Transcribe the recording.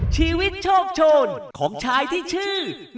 ชีวิตโชคโชนของผู้ชายที่ชื่อน้ำเงิน